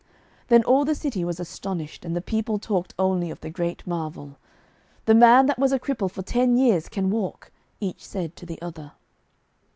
Then all the city was astonished, and the people talked only of the great marvel. 'The man that was a cripple for ten years can walk,' each said to the other.